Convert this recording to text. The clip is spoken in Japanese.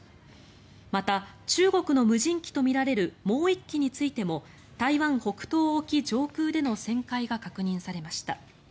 また、中国の無人機とみられるもう１機についても台湾北東沖上空での旋回が確認されました。